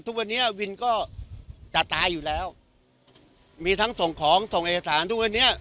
ทุกวันนี้วินก็จะตายอยู่แล้วมีทั้งส่งของส่งเอกสารทุกวันนี้